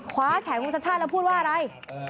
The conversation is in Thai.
คว้าแข่งคุณชาชาแล้วพูดว่าอะไร